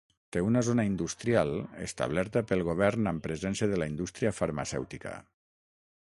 Té una zona industrial establerta pel govern amb presència de la indústria farmacèutica.